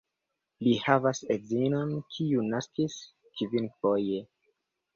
Li havas edzinon, kiu naskis kvinfoje.